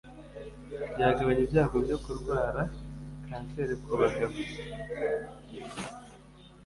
byagabanya ibyago byo kurwara kanseri ku bagabo.